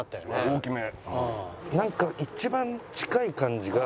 大きめ。